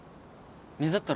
水だったら。